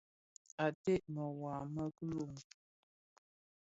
Ated bi mewaa më kiloň,